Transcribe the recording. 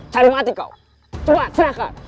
cari mati kau cepat serahkan